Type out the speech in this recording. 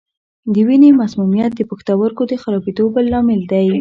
د وینې مسمومیت د پښتورګو د خرابېدو بل لامل دی.